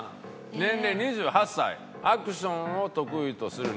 「年齢２８歳」「アクションを得意とする肉体派」